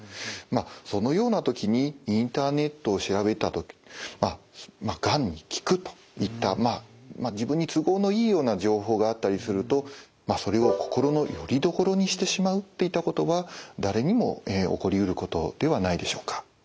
そのような時にインターネットを調べた時がんに効くといったまあ自分に都合のいいような情報があったりするとそれを心のよりどころにしてしまうといったことは誰にも起こりうることではないでしょうか。